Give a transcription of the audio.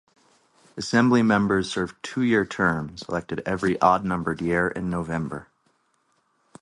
Assembly members serve two-year terms, elected every odd-numbered year in November.